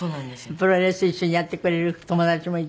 プロレス一緒にやってくれる友達もいて。